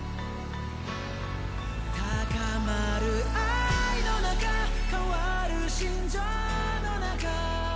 「高まる愛の中変わる心情の中」